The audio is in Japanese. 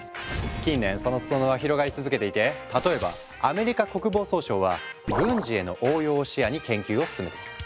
近年その裾野は広がり続けていて例えばアメリカ国防総省は軍事への応用を視野に研究を進めている。